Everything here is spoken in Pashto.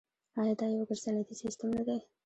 آیا دا یو ګډ صنعتي سیستم نه دی؟